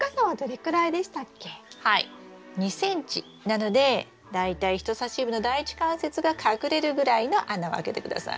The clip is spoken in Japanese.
２ｃｍなので大体人さし指の第１関節が隠れるぐらいの穴を開けて下さい。